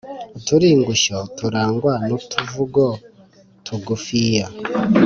uturingushyo turangwa n'utuvugo tugufiya